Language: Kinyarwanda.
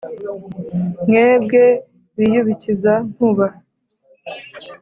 mwebwe biyubikiza-nkuba